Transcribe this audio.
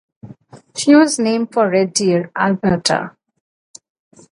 She was named for Red Deer, Alberta.